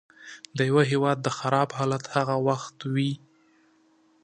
د یوه هیواد خراب حالت هغه وخت وي.